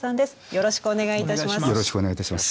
よろしくお願いします。